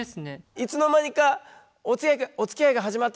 いつの間にかおつきあいが始まってたみたいなこと？